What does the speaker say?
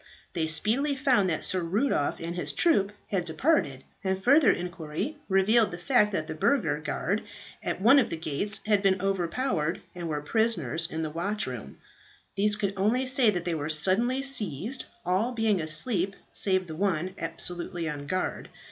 They speedily found that Sir Rudolph and his troop had departed; and further inquiry revealed the fact that the burgher guard at one of the gates had been overpowered and were prisoners in the watchroom. These could only say that they were suddenly seized, all being asleep save the one absolutely on guard.